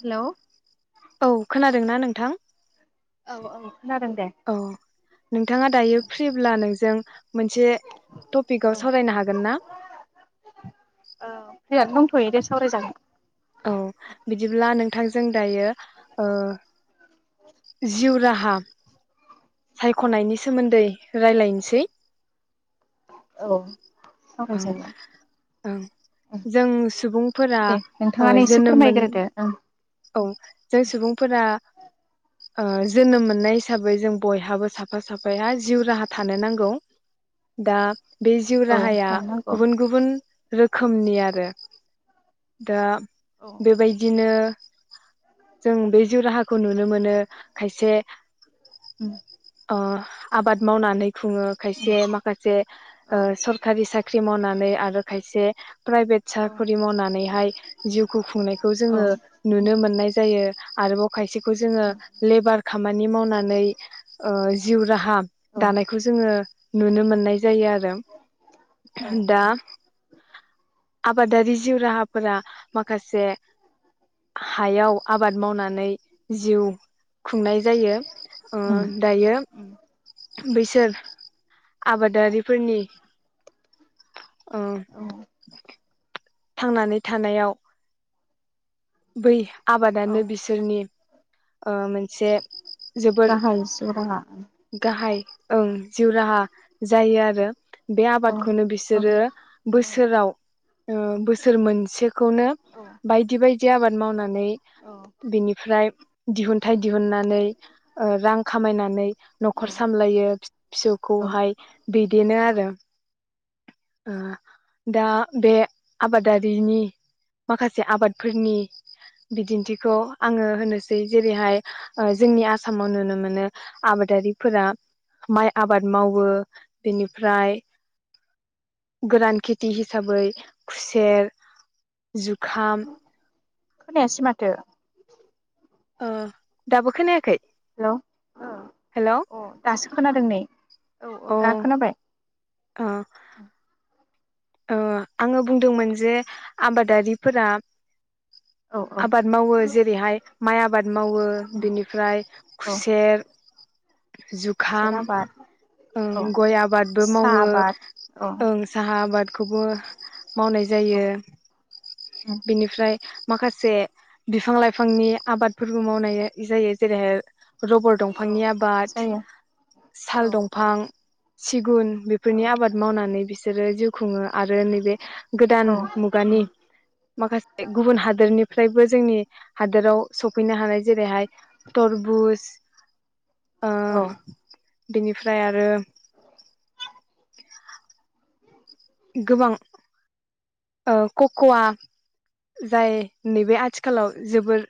Hello औ खोनादोंना नोंथां? खोनादों दे औ नोंथाङा दायो फ्रिब्ला नों जों मोनसे टपिकाव औ सावरायनो हागोन ना? फ्रिया दंथयो दे सावरायजागोन। औ बिदिब्ला नों थांजों दायो ओ जिउ राहा सायखनायनि सोमोन्दै रायलायनोसै औ ओ सावरायजायो ओं जों सुबुंफोरा ओ थाङानो एसे जोनोम मोन फोरमायग्रोदो, ओं औ जों सुबुंफोरा आ ओ जोनोम मोननाय हिसाबै जों बयहाबो साफा साफाया जिउ राहा थानो नांगौ दा बे जिउ औ राहाया थानो नांगौ गुबुन गुबुन रोखोमनि आरो, दा बेबायदिनो जों बे जिउ राहा खौ नुनो मोनो, खायसे उम ओ आबाद मावनानै खुङो, खायसे माखासे ओ सखारि साख्रि मावनानै आ ओ खायसे प्राइभेट साख'रि मावनानैहाय जिउखौ खुंनायखौ औ जोङो मोन्नाय जायो। आरोबाव खायसेखौ जोङो लेबार खामानि मावनानै ओ जिउ राहा दानायखौ जोङो नुनो मोन्नाय जायो आरो। औ दा आबादारि जिउ राहाफोरा माखासे हायाव आबाद मावनानै जिउ खुंनाय जायो। ओ दायो बैसोर आबादारिफोरनि ओं। थांनानै थानायाव बै आबादानो उम बिसोरनि ओ मोनसे जोबोर गाहाय जिउ राहा गाहाय ओं जिउ राहा जायो आरो। बे औ आबादखौनो औ बिसोरो बोसोराव ओ बोसोर मोनसेखौनो बायदि बाय दि आबाद मावना नै औ बिनिफ्राय दिहुन्थाय दिहुन्नानै ओ रां खामायनानै नखर सामलायो फि-फिसौखौहाय बिदिनो आरो। ओ दा बे आबादारिनि माखासे आबाद फोरनि बिदिन्थिखौ आङो होनोसै जेरैहाय ओ जोंनि आसामाव नुनो मोनो आबादारिफोरा माइ आबाद मावो बेनिफ्राय गोरान खेथि हिसाबै खुसेर, जुखाम खोनायासै माथो। ओ दाबो खोनायाखै? हेलौ हेलौ अ दासो खोनादों नै। औ औ दा ओ खोनाबाय। अ। ओ आङो बुंदोंमोन जे आबादारिफोरा औ औ आबाद मावो जेरैहाय माइ आबाद मावो औ बेनिफ्राय खुसेर, खुसेर जुखाम आबाद ओं औ गय आबादबो साहा मावो आबाद औ ओं साहा आबाद खौबो मावनाय औ जायो। उम बिनिफ्राय माखासे बिफां लाइफांनि आबादफोरबो मावनाय जा-जायो जेरैहाय रबर दंफांनि आबाद, जायो औ साल उम दंफां, सिगुन औ बेफोरनि आबाद मावनानै बिसोरो जिउ खुङो आरो नैबे गोदान औ मुगानि माखासे गुबुन हादोरनि फ्रायबो जोंनि हादोराव सफैनो हानाय जेरैहाय थरबुज ओ औ बेनिफ्राय आरो गोबां ओ ककवा जाय नैबे आथिखालाव जोबोर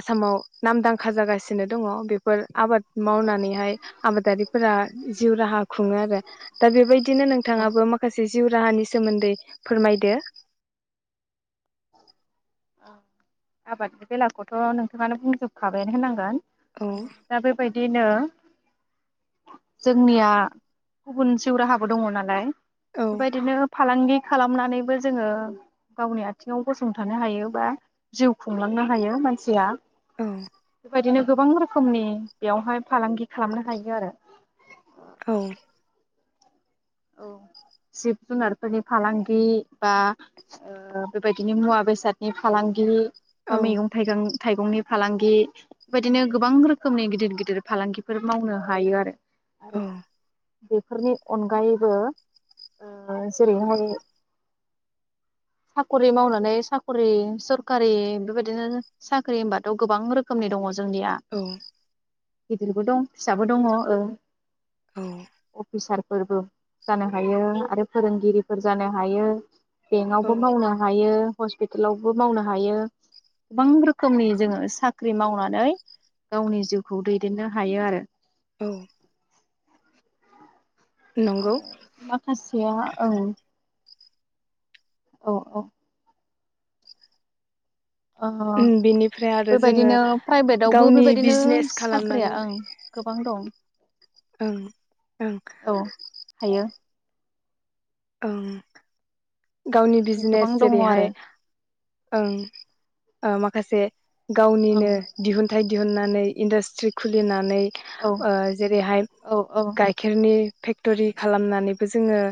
आसामाव नामदांखा जागासिनो दङ बेफोर आबाद औ मावनानैहाय आबादारिफोरा जिउ राहा खुङो आरो दा बेबायदिनो नोंथाङाबो माखासे जिउ राहानि सोमोन्दै फोरमायदो। आबादनि बेलाखौथ नोंथाङानो बुंजोबखाबायानो होननांगोन। औ दा बेबाय दिनो जोंनिया गुबुन जिउ राहाबो दङ नालाय। औ बेबायदिनो फालांगि खालामनानैबो जोङो गावनि आथिङाव गसंथानो हायो बा जिउ खुंलांनो हायो मानसिया। औ बेबायदिनो गोबां रोखोमनि बेयावहाय फालांगि खालामनो हायो आरो औ औ जिब जुनारफोरनि फालांगि बा ओ बेबायदिनो मुवा बेसादनि फालांगि बा मैगं थाइगं थाइगंनि फालांगि बेबायदिनो गोबां रोखोमनि गिदिर गिदिर फालांगिफोर मावनो हायो आरो औ आरो बेफोरनि अनगायै बो ओ जेरैहाय साखरि मावनानै साखरि सरखारि बेबायदिनो साख्रि होनबाथ गोबां रोखोमनि दङ जोंनिया औ गिदिरबो दं फिसाबो दङ ओ औ अफिसार फोरबो जानो हायो आरो फोरोंगिरिफोर जानो हायो। बेंकयावबो औ मावनो हायो। हस्पिटालावबो मावनो हायो गोबां रोखोमनि जोङो साख्रि मावनानै गावनि जिउखौ दैदेननो हायो आरो औ नंगौ आरो माखासेया औ औ औ ओ बेनिफ्राय आरो जोङो बेबायदिनो प्राइभेटआवबो गावनि बेबायदिनो बिजनेस साख्रिया खालामनानै ओं गोबां दं। ओं ओं औ हायो ओं गावनि गोबां बिजनेस दङ जेरैहाय आरो ओं ओ माखा खासे ओं गावनिनो दिहुनथाइ दिहुननानै इन्डास्ट्रि खुलिनानै औ ओ जेरैहाय औ औ गाइखेरनि फेक्टरि खालामनानैबो जोङो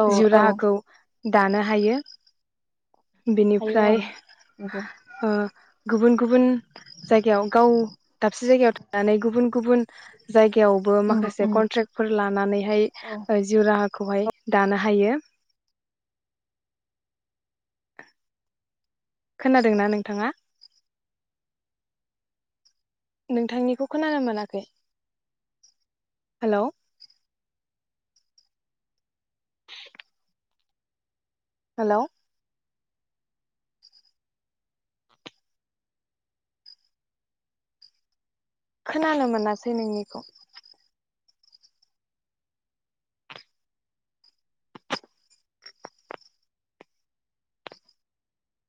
औ जिउ औ राहाखौ दानो हायो। हायो औ बेनिफ्राय नंगौ ओ गुबुन गुबुन जायगायाव गाव दाबसे जायगायाव थानानै गुबुन गुबुन जायगा यावबो उम माखासे उम कनट्रेक्फोर औ लानानैहाय जिउराहा खौहाय दानो हायो। खोनादोंना नोंथाङा? नोंथांनिखौ खोनानो मोनाखै हेलौ हेलौ खोनानो मोनासै नोंनिखौ